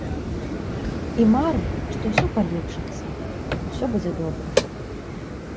І мары, што ўсё палепшыцца, усё будзе добра.